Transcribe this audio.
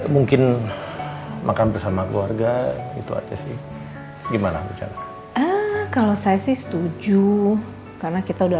mungkin makan bersama keluarga itu aja sih gimana kalau saya sih setuju karena kita udah